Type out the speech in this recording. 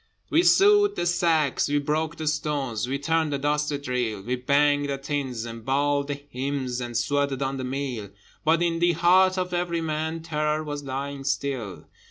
We sewed the sacks, we broke the stones, We turned the dusty drill: We banged the tins, and bawled the hymns, And sweated on the mill: But in the heart of every man Terror was lying still.